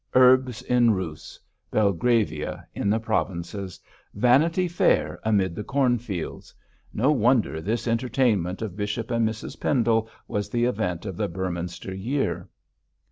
Urbs in Rus; Belgravia in the Provinces; Vanity Fair amid the cornfields; no wonder this entertainment of Bishop and Mrs Pendle was the event of the Beorminster year.